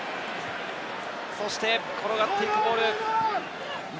そして転がっていくボール。